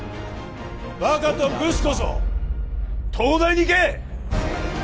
バカとブスこそ東大に行け！